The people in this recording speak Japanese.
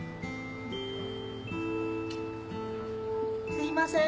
すいませーん！